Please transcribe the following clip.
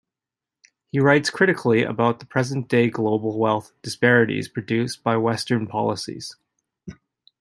He writes critically about the present-day global wealth disparities produced by Western policies.